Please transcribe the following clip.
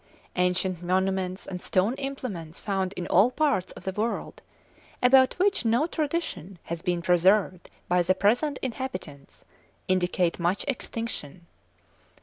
Ancient monuments and stone implements found in all parts of the world, about which no tradition has been preserved by the present inhabitants, indicate much extinction.